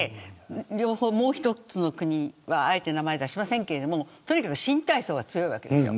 もう１つの国はあえて名前を出しませんがとにかく新体操が強いわけです。